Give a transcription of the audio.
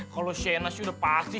kalo shaina sih udah pasti